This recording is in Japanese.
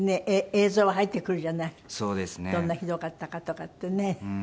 どんなひどかったかとかってね。